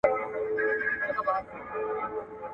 څنګه کولای سو د هيواد ملي عايد زيات کړو؟